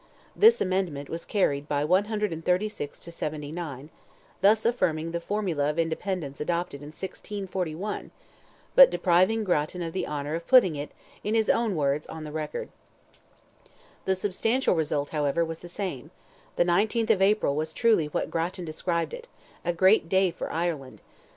This amendment was carried by 136 to 79, thus affirming the formula of independence adopted in 1641, but depriving Grattan of the honour of putting it, in his own words, on the record. The substantial result, however, was the same; the 19th of April was truly what Grattan described it, "a great day for Ireland."